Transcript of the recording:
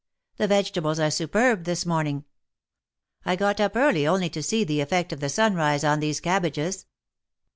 The vegetables are superb this morning. I got up early only to see the effect of the sunrise on these cabbages."